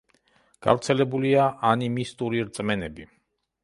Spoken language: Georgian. გავრცელებულია ანიმისტური რწმენები.